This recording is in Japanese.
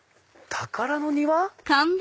「たからの庭」？